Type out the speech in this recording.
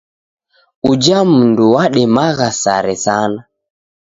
Uja mndu wademagha sare sana.